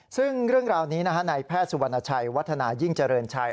ซึ่งเรื่องราวนี้ในแพทย์สุวรรณชัยวัฒนายิ่งเจริญชัย